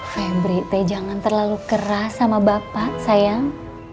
febri teh jangan terlalu keras sama bapak sayang